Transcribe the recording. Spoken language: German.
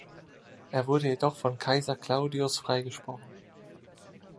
Er wurde jedoch von Kaiser Claudius freigesprochen.